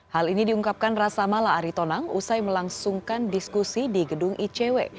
hal ini diungkapkan rasa mala aritonang usai melangsungkan diskusi di gedung icw